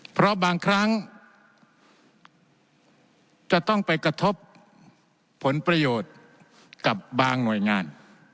เพราะบางครั้งจะต้องไปกระทบผลประโยชน์กับบางหน่วยงาน